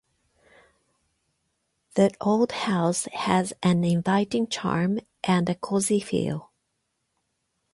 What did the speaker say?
The old house had an inviting charm and a cozy feel.